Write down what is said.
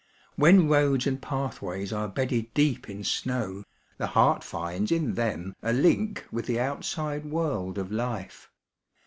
When roads and pathways are bedded deep in snow, the heart finds in them a link with the outside world of life.